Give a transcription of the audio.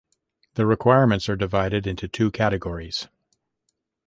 The requirements are divided into two categories.